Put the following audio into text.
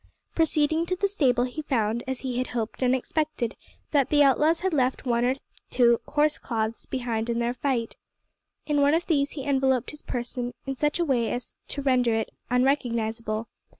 Proceeding to the stable he found, as he had hoped and expected, that the outlaws had left one or two horse cloths behind in their flight. In one of these he enveloped his person in such a way as to render it unrecognisable.